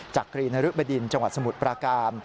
กรีนรึบดินจังหวัดสมุทรปราการ